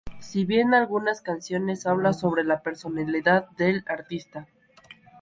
Si bien algunas canciones habla sobre la personalidad del artista.